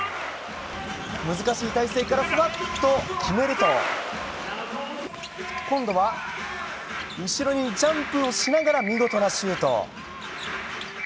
難しい体勢からふわっと決めると今度は後ろにジャンプをしながら見事なシュート。